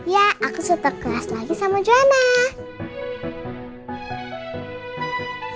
ya aku seter kelas lagi sama joanna